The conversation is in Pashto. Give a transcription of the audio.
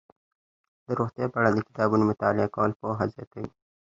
د روغتیا په اړه د کتابونو مطالعه کول پوهه زیاتوي.